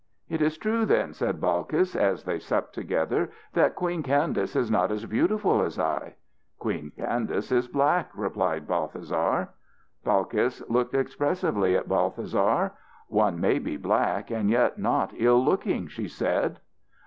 "It is true, then," said Balkis as they supped together, "that Queen Guidace is not so beautiful as I?" "Queen Candace is black," replied Balthasar. Balkis looked expressively at Balthasar. "One may be black and yet not ill looking," she said.